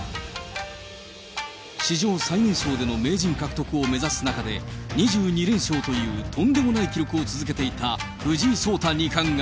史上最年少での名人獲得を目指す中で、２２連勝というとんでもない記録を続けていた藤井聡太二冠が。